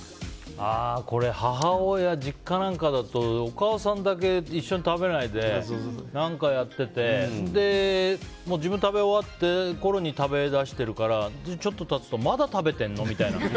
これ、母親実家なんかだとお母さんだけ一緒に食べないで何かやってて自分、食べ終わったころに食べだしてるからちょっと経つとまだ食べてんの？みたいな。